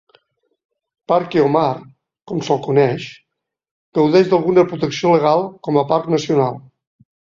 Parque Omar, com s'el coneix, gaudeix d'alguna protecció legal com a parc nacional.